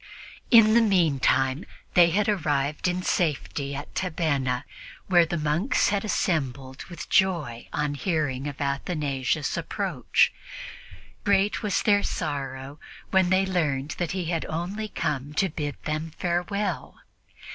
In the meantime they had arrived in safety at Tabenna, where the monks had assembled with joy on hearing of Athanasius' approach. Great was their sorrow when they learned that he had only come to bid them farewell.